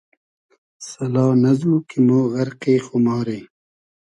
سئلا نئزنو کی مۉ غئرقی خوماری